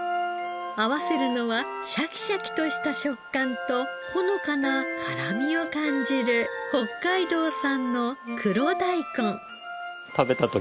合わせるのはシャキシャキとした食感とほのかな辛みを感じる北海道産の黒大根。